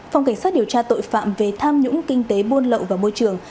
phòng cảnh sát điều tra tội phạm về tham nhũng kinh tế buôn lậu và môi trường